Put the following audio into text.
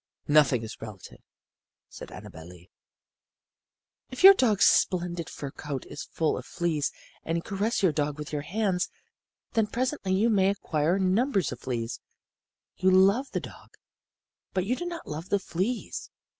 "Nothing is relative," said Annabel Lee. "If your dog's splendid fur coat is full of fleas and you caress your dog with your hands, then presently you may acquire numbers of the fleas. You love the dog, but you do not love the fleas.